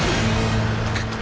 くっ。